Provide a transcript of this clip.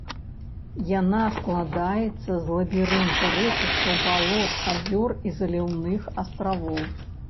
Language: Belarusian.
Яна складаецца з лабірынта рэчышчаў, балот, азёр і заліўных астравоў.